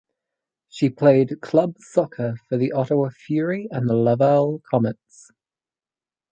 She played club soccer for the Ottawa Fury and Laval Comets.